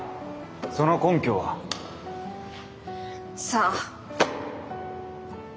その根拠は？さあ。